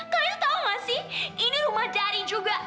kalian tahu gak sih ini rumah jari juga